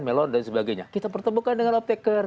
melon dan sebagainya kita pertemukan dengan optaker